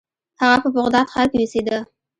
هغه په بغداد ښار کې اوسیده.